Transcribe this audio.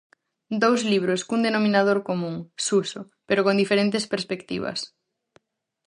Dous libros cun denominador común, Suso, pero con diferentes perspectivas.